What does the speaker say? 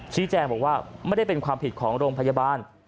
ชี้แจงบอกว่าไม่ได้เป็นความผิดของโรงพยาบาล